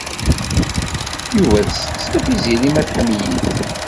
Yuba yesseqsa Tiziri ma tḥemmel-it.